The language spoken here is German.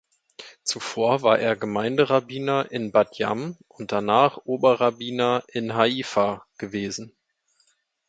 Zuvor war er Gemeinderabbiner in Bat Yam und danach Oberrabbiner in Haifa gewesen.